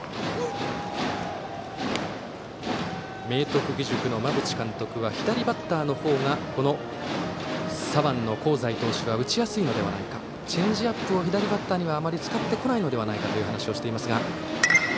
明徳義塾の馬淵監督は左バッターの方が左腕の香西投手は打ちやすいのではないかチェンジアップを左バッターにはあまり使ってこないのではという話をしていますが。